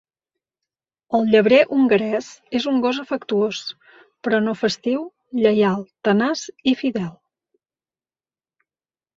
El llebrer hongarès és un gos afectuós però no festiu, lleial, tenaç i fidel.